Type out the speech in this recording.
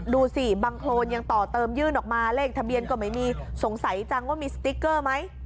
ดูสิบังโครนยังต่อเติมยื่นออกมาเลขทะเบียนก็ไม่มีสงสัยจังว่ามีสติ๊กเกอร์ไหม